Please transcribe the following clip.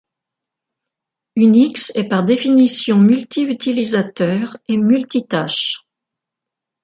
Unix est par définition multi-utilisateur et multi-tâche.